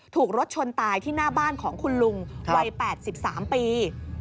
ถูกรถชนตายที่หน้าบ้านของคุณลุงวัย๘๓ปี